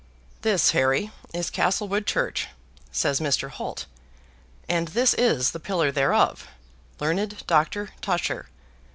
"This, Harry, is Castlewood church," says Mr. Holt, "and this is the pillar thereof, learned Doctor Tusher.